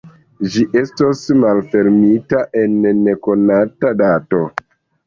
Ĝi estos malfermita en nekonata dato.